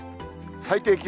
最低気温。